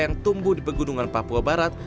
yang tumbuh di pegunungan papua barat